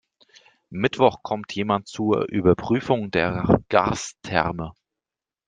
Mittwoch kommt jemand zur Überprüfung der Gastherme.